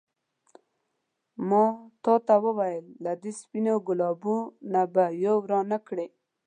ما تا ته وویل له دې سپينو ګلابو نه به یو رانه کړې.